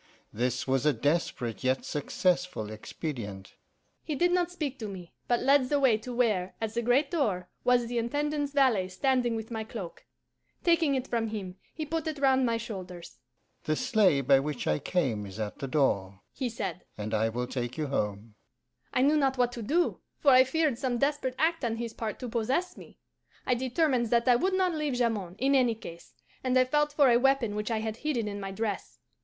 This was a desperate yet successful expedient.' "He did not speak to me, but led the way to where, at the great door, was the Intendant's valet standing with my cloak. Taking it from him, he put it round my shoulders. 'The sleigh by which I came is at the door,' he said, 'and I will take you home.' I knew not what to do, for I feared some desperate act on his part to possess me. I determined that I would not leave Jamond, in any case, and I felt for a weapon which I had hidden in my dress.